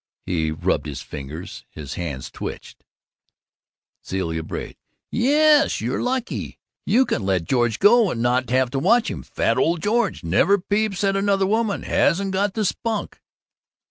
He rubbed his fingers. His hands twitched. Zilla bayed, "Yes! You're lucky! You can let George go, and not have to watch him. Fat old Georgie! Never peeps at another woman! Hasn't got the spunk!"